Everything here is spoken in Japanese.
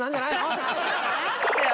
待ってよ